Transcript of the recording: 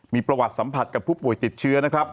มีประวัติสัมผัสกับผู้ป่วยติดเชื้อนะครับ